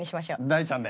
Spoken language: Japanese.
大ちゃんで。